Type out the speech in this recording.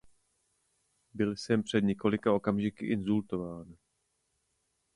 Byl jsem před několika okamžiky insultován.